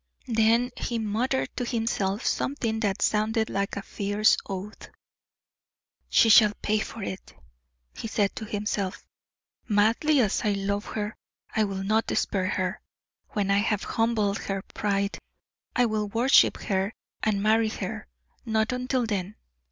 Then he muttered to himself something that sounded like a fierce oath: "She shall pay for it," he said to himself. "Madly as I love her, I will not spare her. When I have humbled her pride, I will worship her and marry her; not until then.